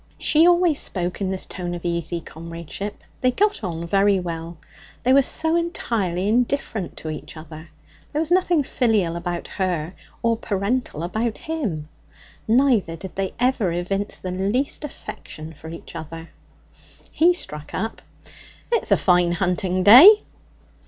She always spoke in this tone of easy comradeship; they got on very well; they were so entirely indifferent to each other. There was nothing filial about her or parental about him. Neither did they ever evince the least affection for each other. He struck up 'It's a fine hunting day.'